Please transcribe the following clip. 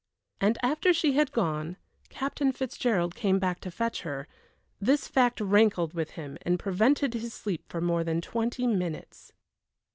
And after she had gone Captain Fitzgerald came back to fetch her this fact rankled with him and prevented his sleep for more than twenty minutes.